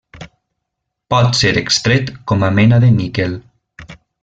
Pot ser extret com a mena de níquel.